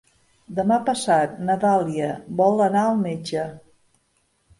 Demà passat na Dàlia vol anar al metge.